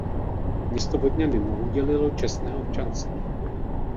Město Vodňany mu udělilo čestné občanství.